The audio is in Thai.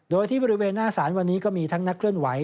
โดยที่บริเวณหน้าศาลวันนี้ก็มีทั้งนักเคลื่อนไหว